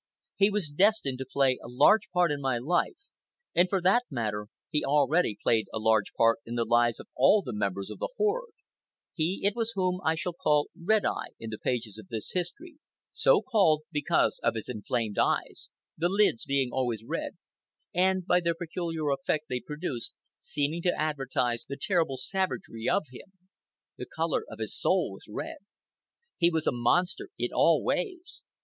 He was destined to play a large part in my life, and for that matter he already played a large part in the lives of all the members of the horde. He it was whom I shall call Red Eye in the pages of this history—so called because of his inflamed eyes, the lids being always red, and, by the peculiar effect they produced, seeming to advertise the terrible savagery of him. The color of his soul was red. He was a monster in all ways.